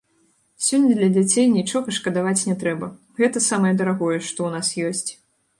Сёння для дзяцей нічога шкадаваць не трэба, гэта самае дарагое, што ў нас ёсць.